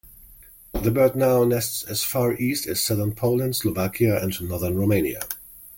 The bird now nests as far east as southern Poland, Slovakia, and northern Romania.